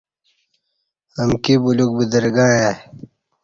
امکی بلیوک بدرگں آئی